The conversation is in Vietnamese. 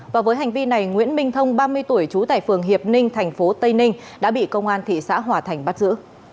và với hành vi này nguyễn minh thông ba mươi tuổi trú tại phường hiệp ninh tp tây ninh đã bị công an thị xã hòa thành bắt giữ